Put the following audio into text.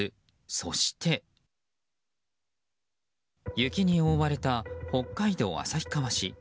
雪に覆われた北海道旭川市。